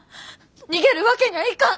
逃げるわけにゃあいかん！